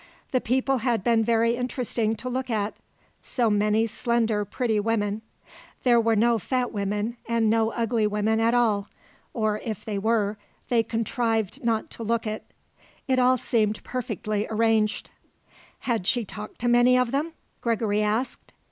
The people had been very interesting to look at; so many slender pretty women; there were no fat women and no ugly women at all, or, if they were, they contrived not to look it. It all seemed perfectly arranged. Had she talked to many of them? Gregory asked.